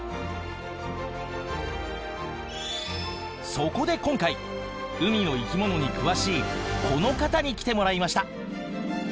そこで今回海の生き物に詳しいこの方に来てもらいました。